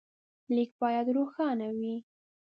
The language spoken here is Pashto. لیک باید روښانه وي.